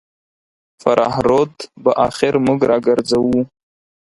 فراه رود به اخر موږ راګرځوو.